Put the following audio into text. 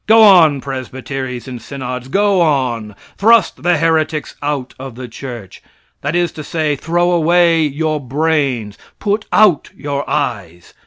Go on, presbyteries and synods, go on! Thrust the heretics out of the church. That is to say, throw away your brains put out your eyes.